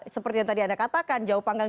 seperti yang tadi anda katakan jauh panggang